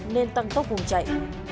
nên tăng tốc vùng chạy